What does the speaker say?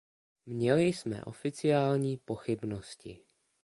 Měli jsme oficiální pochybnosti.